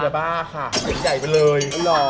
อย่าบ้าค่ะหญิงใหญ่ไปเลย